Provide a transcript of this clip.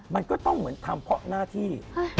มันก็ต้องเหมือนทำเพราะหน้าที่